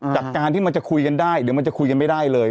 จากการที่มันจะคุยกันได้เดี๋ยวมันจะคุยกันไม่ได้เลย